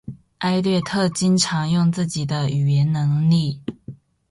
艾略特经常用自己的语言能力。